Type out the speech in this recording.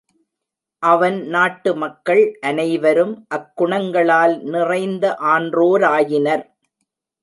அவன் நாட்டு மக்கள் அனைவரும் அக் குணங்களால் நிறைந்த ஆன்றோராயினர்.